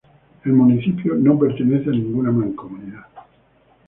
El municipio no pertenece a ninguna mancomunidad.